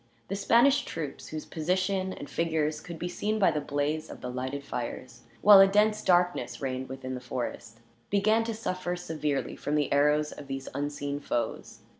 The Spanish troops, whose position and figures could be seen by the blaze of the lighted fires, while a dense darkness reigned within the forest, began to suffer severely from the arrows of these unseen foes.